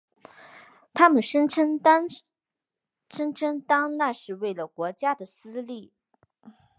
他们声称当那是为了国家的私利。